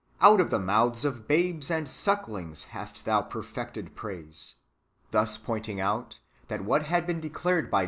Out of the mouths of babes and sucklings hast Thou perfected praise?"^ — thus l^ointing out that what had been declared by David concern ^ Matt.